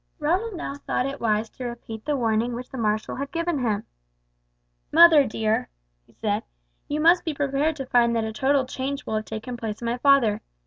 Ronald now thought it wise to repeat the warning which the marshal had given him. "Mother, dear," he said "you must be prepared to find that a total change will have taken place in my father.